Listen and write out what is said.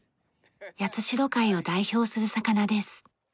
八代海を代表する魚です。